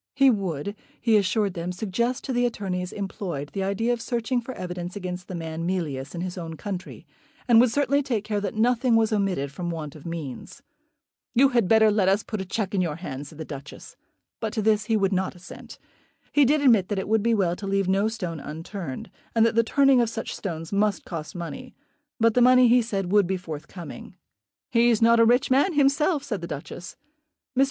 He would, he assured them, suggest to the attorneys employed the idea of searching for evidence against the man Mealyus in his own country, and would certainly take care that nothing was omitted from want of means. "You had better let us put a cheque in your hands," said the Duchess. But to this he would not assent. He did admit that it would be well to leave no stone unturned, and that the turning of such stones must cost money; but the money, he said, would be forthcoming. "He's not a rich man himself," said the Duchess. Mr.